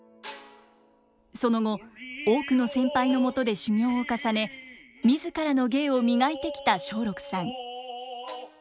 その後多くの先輩のもとで修業を重ね自らの芸を磨いてきた松緑さん。